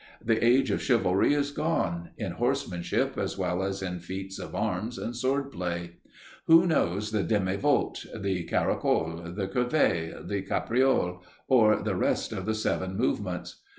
The age of Chivalry is gone, in horsemanship as well as in feats of arms and sword play. Who knows the demi volt, the caracole, the curvet, the capriole or the rest of the Seven Movements?